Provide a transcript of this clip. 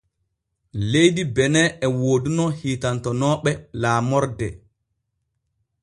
Leydi Benin e wooduno hiitantonooɓe laamorde.